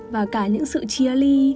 và cả những sự chia ly